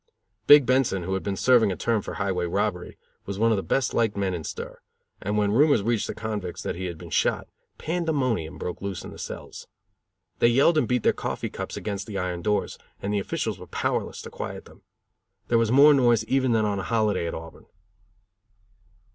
Big Benson, who had been serving a term for highway robbery, was one of the best liked men in stir, and when rumors reached the convicts that he had been shot, pandemonium broke loose in the cells. They yelled and beat their coffee cups against the iron doors, and the officials were powerless to quiet them. There was more noise even than on a holiday at Auburn.